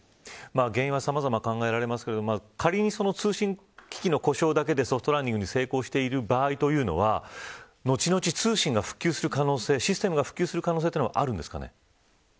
原因はさまざま考えられますが仮に通信機器の故障だけでソフトランディングに成功している場合というのは後々、通信が普及する可能性はありますか。